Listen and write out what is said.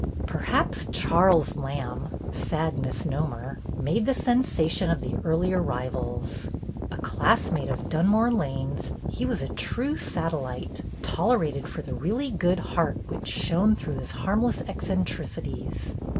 Perhaps Charles Lamb — sad misnomer — made the sensation of the early arrivals. A classmate of Dunmore Lane's, he was a true satellite, tolerated for the really good heart which shone through his harmless eccentrici ties.